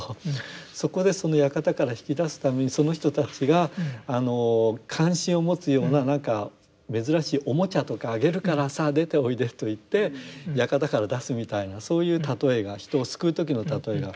そこでその館から引き出すためにその人たちが関心を持つようななんか珍しいおもちゃとかあげるからさあ出ておいでと言って館から出すみたいなそういう例えが人を救う時の例えが。